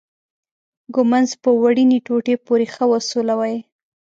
ږمنځ په وړینې ټوټې پورې ښه وسولوئ.